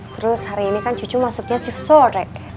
terus hari ini kan cucu masuknya shift sore